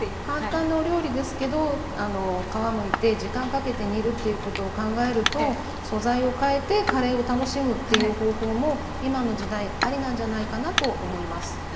簡単なお料理ですけど皮むいて時間かけて煮るっていうことを考えると素材をかえてカレーを楽しむっていう方法も今の時代アリなんじゃないかなと思います。